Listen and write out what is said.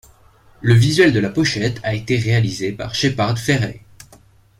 Le visuel de la pochette a été réalisé par Shepard Fairey.